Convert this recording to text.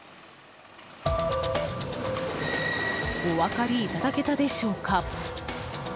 お分かりいただけたでしょうか？